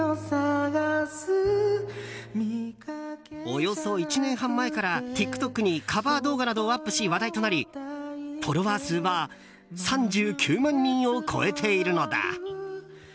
およそ１年半前からＴｉｋＴｏｋにカバー動画などをアップし話題となりフォロワー数は３９万人を超えているのだ。